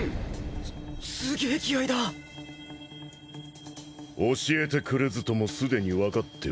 すすげえ気合だ。教えてくれずともすでに分かっておる。